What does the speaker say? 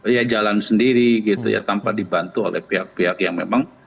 ya jalan sendiri gitu ya tanpa dibantu oleh pihak pihak yang memang